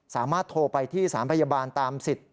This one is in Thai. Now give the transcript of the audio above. สามารถโทรไปที่สารพยาบาลตามสิทธิ์